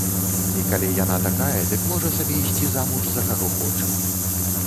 І калі яна такая, дык можа сабе ісці замуж за каго хоча.